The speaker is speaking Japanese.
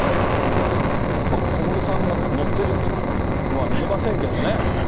小室さんが乗ってるのは見えませんけどね。